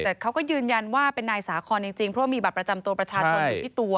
แต่เขาก็ยืนยันว่าเป็นนายสาคอนจริงเพราะว่ามีบัตรประจำตัวประชาชนอยู่ที่ตัว